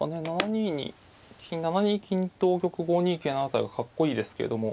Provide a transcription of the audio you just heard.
７二に７二金同玉５二桂成れたらかっこいいですけども。